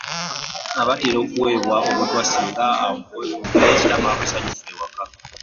Abaana batera okuweebwa obutwa singa omukozi taba musanyufu awaka.